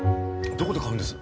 どこで買うんです？